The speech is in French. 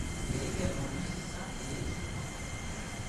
Il est également musicien et écrivain.